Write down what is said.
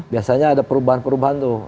biasanya ada perubahan perubahan tuh